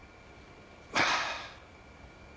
ああ。